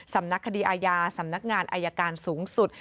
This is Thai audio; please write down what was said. สำนักคดีอาญาสำนักงานอายการสูงสุด